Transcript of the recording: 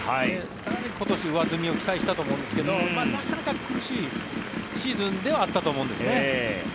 昨年、今年、上積みを期待したと思うんですけどなかなか苦しいシーズンではあったと思うんですね。